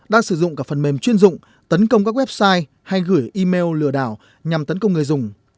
đang sử dụng cả phần mềm chuyên dụng tấn công các website hay gửi email lừa đảo nhằm tấn công người dùng